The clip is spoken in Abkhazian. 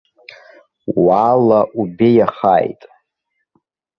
Уаала убеиахааит.